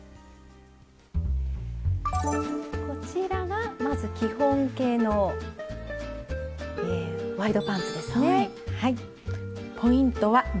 こちらがまず基本系のワイドパンツですね。